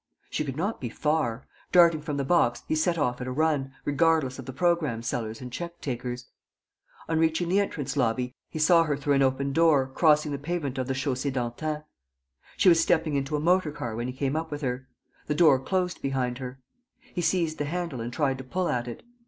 She could not be far. Darting from the box, he set off at a run, regardless of the programme sellers and check takers. On reaching the entrance lobby, he saw her through an open door, crossing the pavement of the Chaussée d'Antin. She was stepping into a motor car when he came up with her. The door closed behind her. He seized the handle and tried to pull at it.